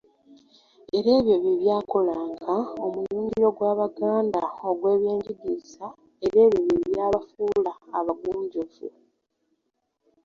Era ebyo bye byakolanga omuyungiro gw’Abaganda ogw’ebyenjigiriza era ebyo bye byabafuula abagunjufu.